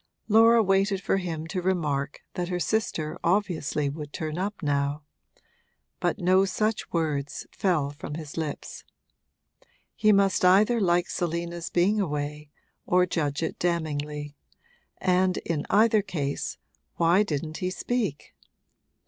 Laura waited for him to remark that her sister obviously would turn up now; but no such words fell from his lips. He must either like Selina's being away or judge it damningly, and in either case why didn't he speak?